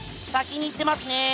先に行ってますね。